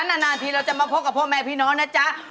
นาทีเราจะมาพบกับพ่อแม่พี่น้องนะจ๊ะ